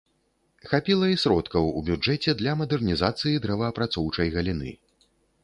Хапіла і сродкаў у бюджэце для мадэрнізацыі дрэваапрацоўчай галіны.